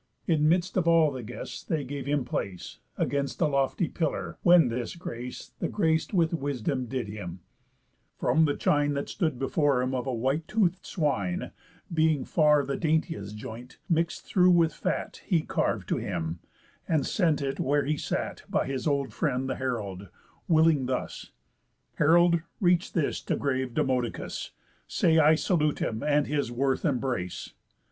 In midst of all the guests they gave him place, Against a lofty pillar, when this grace The grac'd with wisdom did him: From the chine, That stood before him, of a white tooth'd swine, Being far the daintiest joint, mix'd through with fat, He carv'd to him, and sent it where he sat By his old friend the herald, willing thus: "Herald, reach this to grave Demodocus, Say, I salute him, and his worth embrace.